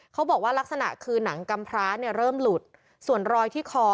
เขาบอกว่ารักษณะหนังกำพร้าในร่มหลุดเษ็จร่อยที่ข้อ๙๓